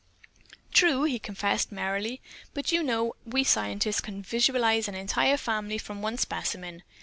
"True!" he confessed, merrily, "but you know we scientists can visualize an entire family from one specimen.